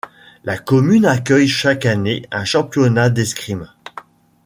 La commune accueille chaque année un championnat d'escrime.